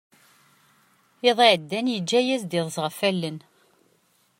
Iḍ iɛeddan yeǧǧa-as-d iḍes ɣef wallen.